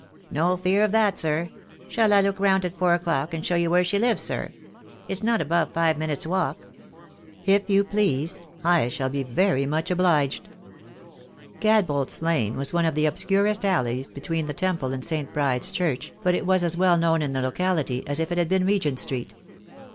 "No fear of that, sir. Shall I look round at four o'clock and show you where she lives, sir? It's not above five minutes' walk." "If you please. I shall be very much obliged." Gadbolt's Lane was one of the obscurest alleys be tween the Temple and St. Bride's Church, but it was as 6 2 THE DAY WILL COME. well known in the locality as if it had been Regent Street.